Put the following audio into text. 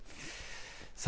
さあ